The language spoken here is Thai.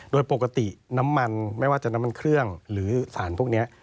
โดยปกติน้ำมันไม่ว่าจะน้ำมันเครื่องหรือสารพวกนี้